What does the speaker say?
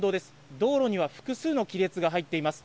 道路には複数の亀裂が入っています。